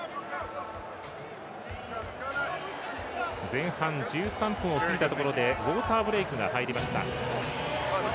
前半１３分を過ぎたところでウォーターブレークが入りました。